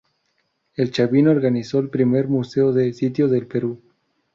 En Chavín organizó el primer museo de sitio del Perú.